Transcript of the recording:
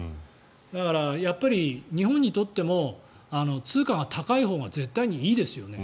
だから、やっぱり日本にとっても通貨が高いほうが絶対にいいですよね。